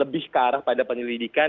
lebih ke arah pada penyelidikan